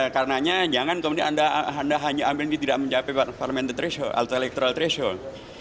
karena jangan anda hanya ambil yang tidak mencapai parliamentary threshold atau electoral threshold